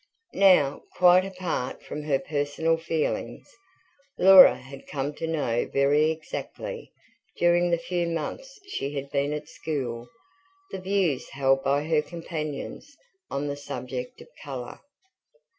Now, quite apart from her personal feelings, Laura had come to know very exactly, during the few months she had been at school, the views held by her companions on the subject of colour.